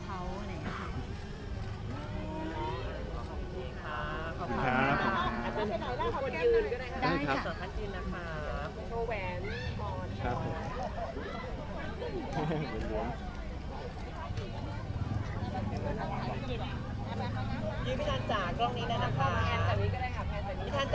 คิดว่าเรามีมากขึ้นเรื่องแสดงและความรักของเรายุ้ย